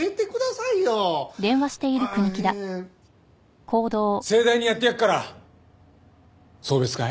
盛大にやってやるから送別会。